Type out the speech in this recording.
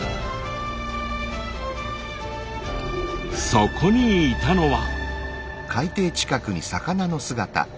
そこにいたのは。